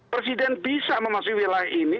presiden bisa memasuki wilayah ini